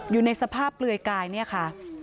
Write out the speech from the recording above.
อยู่ในสภาพเปลือยกายเนี่ยค่ะ